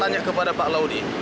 tanya kepada pak laude